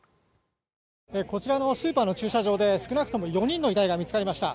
こちらのスーパーの駐車場で少なくとも４人の遺体が見つかりました。